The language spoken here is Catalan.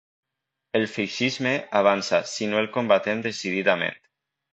El feixisme avança si no el combatem decididament.